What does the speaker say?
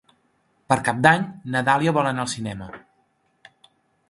Per Cap d'Any na Dàlia vol anar al cinema.